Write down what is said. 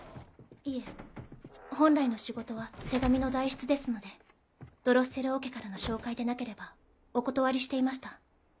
いえ本来の仕事は手紙の代筆ですのでドロッセル王家からの紹介でなければお断りしていました。